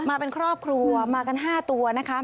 มาเป็นครอบครัวมากัน๕ตัวนะคะ